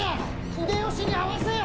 秀吉に会わせよ！